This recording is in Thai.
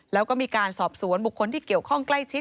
แล้วก็มีการสอบสวนบุคคลที่เกี่ยวข้องใกล้ชิด